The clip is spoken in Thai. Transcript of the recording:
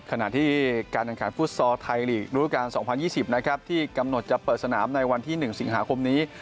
ขณะที่การแข่งขันฟุตซอลไทยลีกรุการ๒๐๒๐นะครับที่กำหนดจะเปิดสนามในวันที่๑สิงหาคมนี้